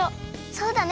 そうだね。